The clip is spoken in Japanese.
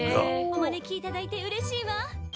「お招きいただいてうれしいわ」